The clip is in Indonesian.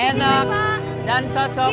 enak dan cocok